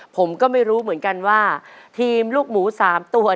ผมก็ไม่รู้เหมือนกันว่าทีมลูกหมู๓ตัว